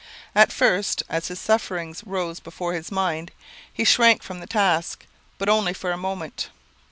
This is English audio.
At first, as his sufferings rose before his mind, he shrank from the task, but only for a moment.